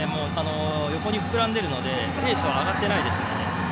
横に膨らんでいるのでペースは上がっていないですね。